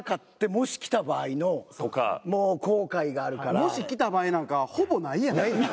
もし来た場合なんかほぼないやん。